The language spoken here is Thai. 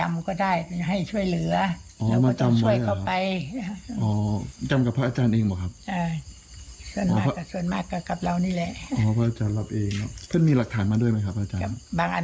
มีเอกสารอยู่เนอะ